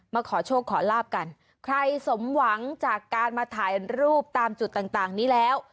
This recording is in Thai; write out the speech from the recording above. ขอโชคขอลาบกันใครสมหวังจากการมาถ่ายรูปตามจุดต่างต่างนี้แล้ว